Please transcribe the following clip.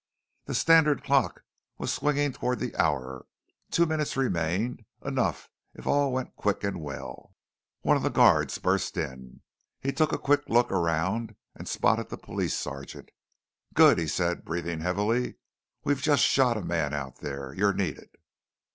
The standard clock was swinging towards the hour, two minutes remained, enough if all went quick and well. One of the guards burst in. He took a quick look around and spotted the police sergeant. "Good," he said, breathing heavily. "We've just shot a man out there. You're needed."